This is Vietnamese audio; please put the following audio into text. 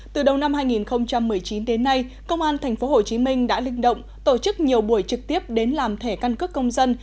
từ đầu năm hai nghìn một mươi chín đến nay công an tp hcm đã linh động tổ chức nhiều buổi trực tiếp đến làm thẻ căn cước công dân